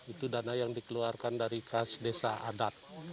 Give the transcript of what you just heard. itu dana yang dikeluarkan dari kas desa adat